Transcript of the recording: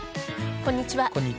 こんにちは。